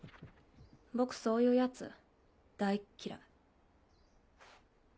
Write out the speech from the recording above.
僕そういうヤツ大っ嫌い。